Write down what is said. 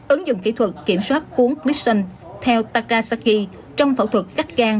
ứng dụng kỹ thuật kiểm soát cuốn clisson theo takasaki trong phẫu thuật cắt can